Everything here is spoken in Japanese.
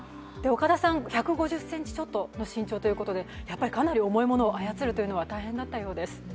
岡田さん１５０ｃｍちょっとの身長ということでやっぱりかなり重いものを操るのは大変だったようです。